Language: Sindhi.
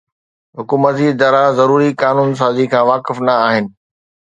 حڪومتي ادارا ضروري قانون سازي کان واقف نه آهن